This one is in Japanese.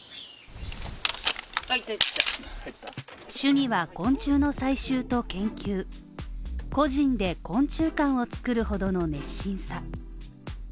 趣味は昆虫の採集と研究個人で昆虫館を作るほどの熱心さ。